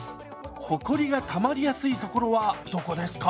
ほこりがたまりやすい所はどこですか？